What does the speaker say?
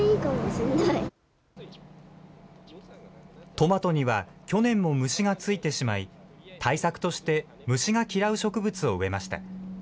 トマトには、去年も虫がついてしまい、対策として虫が嫌う植物を植えました。